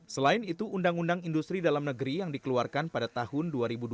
selain itu undang undang industri dalam negeri yang dikeluarkan pada tahun dua ribu dua puluh